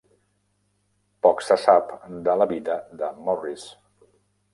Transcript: Poc se sap de la vida de Morrice.